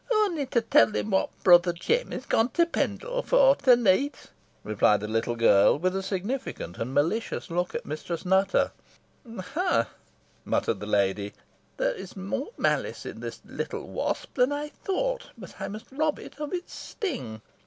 "Onny to tell him what brother Jem is gone to Pendle fo to neet," replied the little girl, with a significant and malicious look at Mistress Nutter. "Ha!" muttered the lady. "There is more malice in this little wasp than I thought. But I must rob it of its sting."